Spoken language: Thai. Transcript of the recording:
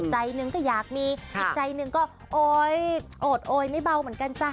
ใจหนึ่งก็อยากมีอีกใจหนึ่งก็โอ๊ยโอดโอยไม่เบาเหมือนกันจ้ะ